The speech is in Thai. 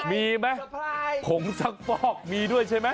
มีมั้ยผงซักฟอกมีด้วยใช่มั้ย